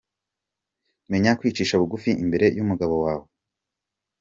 Menya kwicisha bugufi imbere y’umugabo wawe.